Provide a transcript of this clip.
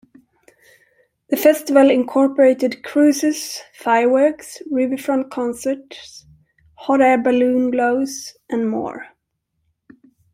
The festival incorporated cruises, fireworks, riverfront concerts, hot air balloon glows, and more.